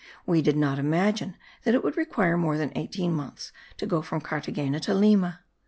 We did not imagine that it would require more than eighteen months to go from Carthagena to Lima.